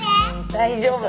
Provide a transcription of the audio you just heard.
大丈夫！